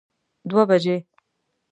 دوه بجی